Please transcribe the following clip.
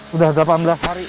sudah delapan belas hari